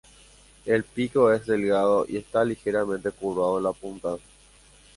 El pico es delgado y está ligeramente curvado en la punta.